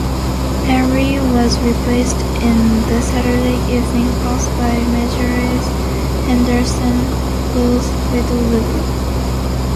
"Henry" was replaced in "The Saturday Evening Post" by Marjorie Henderson Buell's "Little Lulu".